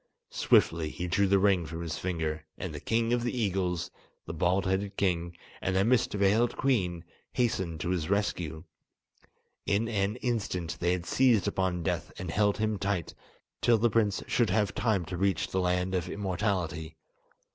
Swiftly he drew the ring from his finger, and the king of the eagles, the bald headed king, and the mist veiled queen, hastened to his rescue. In an instant they had seized upon Death and held him tight, till the prince should have time to reach the Land of Immortality.